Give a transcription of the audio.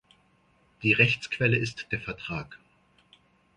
Die Rechtsquelle ist der Vertrag.